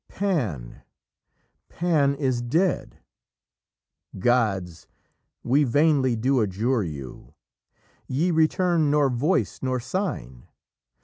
Pan, Pan is dead. Gods! we vainly do adjure you, Ye return nor voice nor sign!